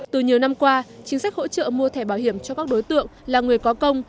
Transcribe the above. từ nhiều năm qua chính sách hỗ trợ mua thẻ bảo hiểm cho các đối tượng là người có công